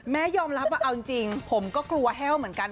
ยอมรับว่าเอาจริงผมก็กลัวแห้วเหมือนกัน